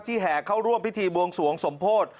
แห่เข้าร่วมพิธีบวงสวงสมโพธิ